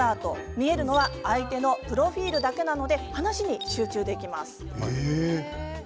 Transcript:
見えるのは、相手のプロフィールだけなので話に集中できます。